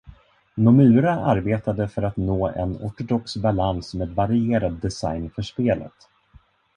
Nomura arbetade för att nå en ortodox balans med varierad design för spelet.